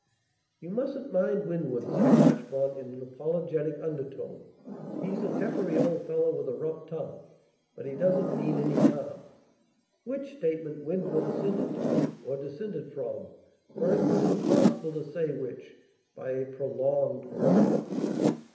"You mustn't mind Winwood," said Marchmont, in an apologetic undertone; "he's a peppery old fellow with a rough tongue, but he doesn't mean any harm." Which statement Winwood assented to or dissented from; for it was impossible to say which by a prolonged growl.